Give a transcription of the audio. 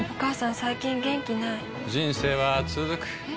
最近元気ない人生はつづくえ？